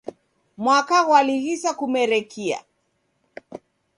Mwaka ghwalighisa kumerekia.